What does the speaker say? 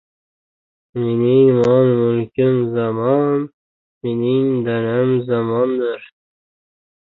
Mening mol-mulkim zamon, mening dalam zamondir.